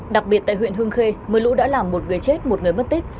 đặc biệt tại huyện hương khê mưa lũ đã làm một người chết một người mất tích